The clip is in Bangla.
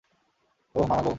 ওহ মামা গো!